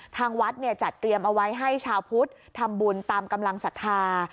ทางวัดจัดเตรียมเอาไว้ให้ชาวพุทธทำบุญตามกำลังศรัทธา